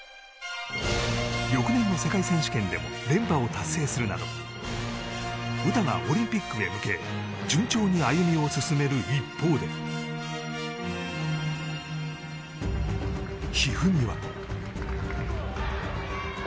翌年の世界選手権でも連覇を達成するなど詩がオリンピックへ向け順調に歩みを進める一方で一二三は。